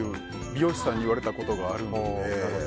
美容師さんに言われたことがあるので。